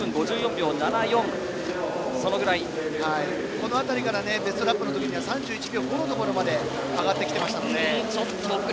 この辺りからベストラップの時には３１秒５まで上がってきていましたので。